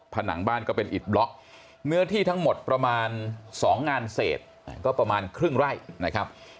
ผนังบ้านก็เป็นอิดบล็อกเนื้อที่ทั้งหมดประมาณ๒งานเศษก็ประมาณครึ่งไร่นะครับ